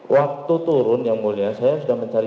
waktu turun yang mulia saya sudah mencari